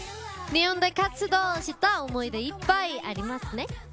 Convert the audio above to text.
日本で活動した思い出いっぱいありますね。